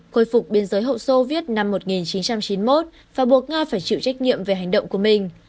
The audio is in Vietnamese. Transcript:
khôi phục biên giới hậu soviet năm một nghìn chín trăm chín mươi một và buộc nga phải chịu trách nhiệm về hành động của mình